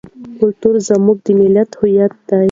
کلتور زموږ د ملت هویت دی.